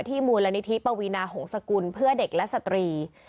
มูลนิธิปวีนาหงษกุลเพื่อเด็กและสตรี